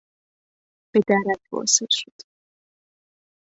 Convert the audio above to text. به درک واصل شد.